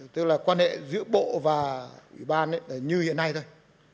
tức là quan hệ giữa bộ và ủy ban như hiện nay thôi